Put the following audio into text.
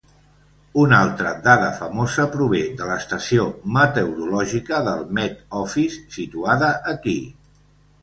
Una altra dada famosa prové de l'estació meteorològica del Met Office situada aquí.